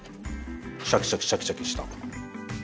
シャキシャキシャキシャキした。